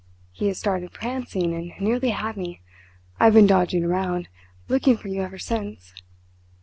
He has started prancing and nearly had me. I have been dodging around, looking for you ever since.'